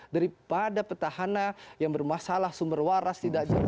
daripada petahana yang bermasalah sumber waras tidak jelas